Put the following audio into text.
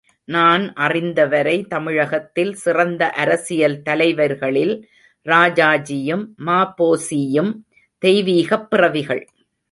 நான் அறிந்த வரை தமிழகத்தில் சிறந்த அரசியல் தலைவர்களில் ராஜாஜியும், ம.பொ.சியும் தெய்வீகப் பிறவிகள்!